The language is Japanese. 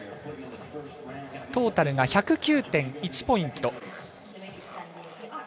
トータルが１０９．１ポイント。